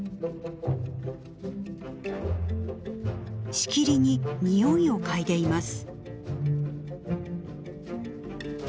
しきりに匂いを嗅いでいます。